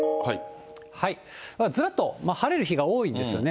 ずらっと晴れる日が多いんですよね。